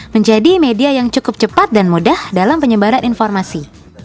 menjadi media yang cukup cepat dan mudah dalam penyebaran informasi